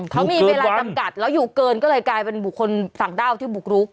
เขามีเวลาจำกัดแล้วอยู่เกินก็เลยกลายเป็นบุคคลต่างด้าวที่บุกรุก